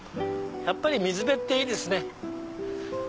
やっぱり水辺っていいですね。